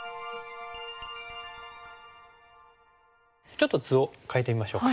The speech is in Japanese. ちょっと図を変えてみましょうか。